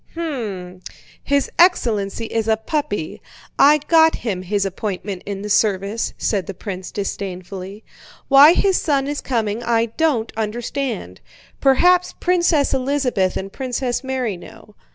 "Hm!—his excellency is a puppy.... I got him his appointment in the service," said the prince disdainfully. "Why his son is coming I don't understand. Perhaps Princess Elizabeth and Princess Mary know.